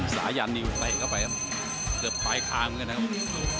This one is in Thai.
สายันนิวเตะเข้าไปครับเกือบปลายคางเหมือนกันนะครับ